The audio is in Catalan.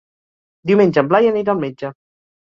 Diumenge en Blai anirà al metge.